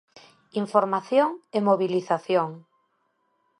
Información e mobilización.